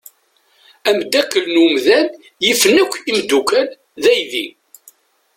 Ameddakel n umdan yifen akk imeddukal d aydi.